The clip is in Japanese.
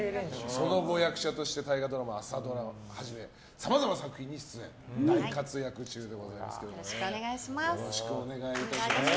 その後、大河ドラマや朝ドラをはじめさまざまなドラマに出演され大活躍中でございます。